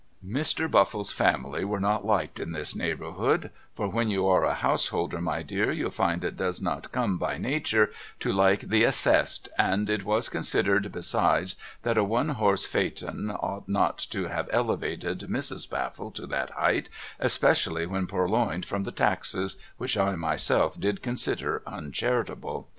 FIRE! 361 Mr. Buffle's family were not liked in this neighbourhood, for when you are a householder my dear you'll find it does not come by nature to like the Assessed, and it was considered besides that a one horse pheayton ought not to have elevated Mrs. Bufitle to that height especially when purloined from the Taxes which I myself did consider uncharitable.